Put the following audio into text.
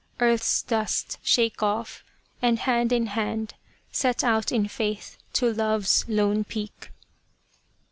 Earth's dust shake off, and band in band Set out in faith to Love's lone peak